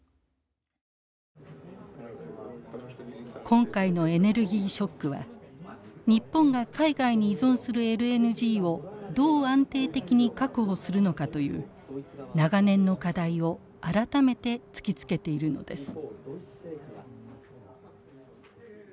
今回のエネルギーショックは日本が海外に依存するＬＮＧをどう安定的に確保するのかという長年の課題を改めて突きつけているのです。